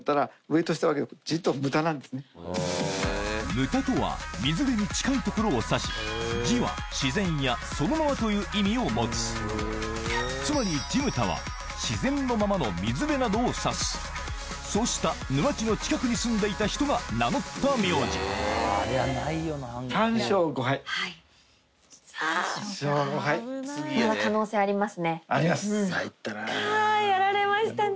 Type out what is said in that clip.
「牟田」とは水辺に近い所を指し「爾」は自然やそのままという意味を持つつまり「爾牟田」は自然のままの水辺などを指すそうした沼地の近くに住んでいた人が名乗った名字３勝５敗。あります。